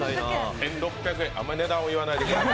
１６００円、あまり値段を言わないでください。